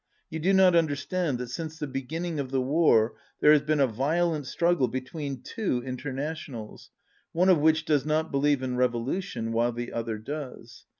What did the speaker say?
"You do not understand that since the beginning of the war there has been a violent struggle between two Internationals, one of which does not believe in revolution while the other does.